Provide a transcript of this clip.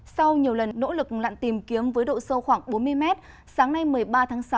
sau nhiều lần nỗ lực lặn tìm kiếm với độ sâu khoảng bốn mươi mét sáng nay một mươi ba tháng sáu